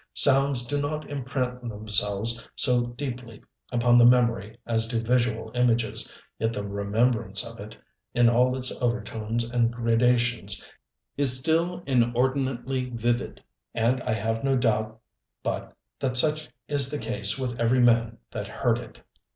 Sounds do not imprint themselves so deeply upon the memory as do visual images, yet the remembrance of it, in all its overtones and gradations, is still inordinately vivid; and I have no doubt but that such is the case with every man that heard it.